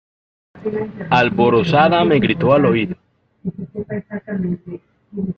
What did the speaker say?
alborozada me gritó al oído: